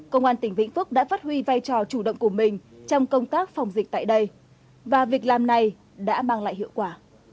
công an tỉnh vĩnh phúc đã phát huy vai trò chủ động của mình trong công tác phòng dịch tại đây và việc làm này đã mang lại hiệu quả